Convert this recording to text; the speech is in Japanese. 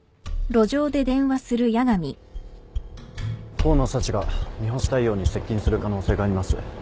河野幸が三星大陽に接近する可能性があります。